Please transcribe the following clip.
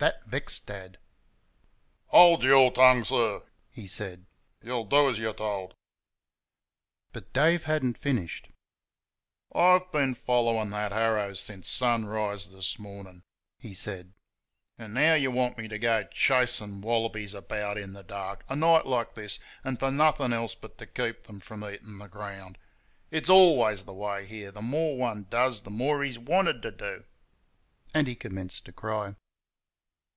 That vexed Dad. "Hold your tongue, sir!" he said "you'll do as you're told." But Dave had n't finished. "I've been following that harrow since sunrise this morning," he said, "and now you want me to go chasing wallabies about in the dark, a night like this, and for nothing else but to keep them from eating the ground. It's always the way here, the more one does the more he's wanted to do," and he commenced to cry.